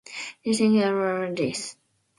Do you think I dare venture after this?